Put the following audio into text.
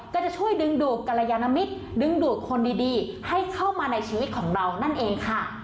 ก็จะช่วยดึงดูดกรยานมิตรดึงดูดคนดีให้เข้ามาในชีวิตของเรานั่นเองค่ะ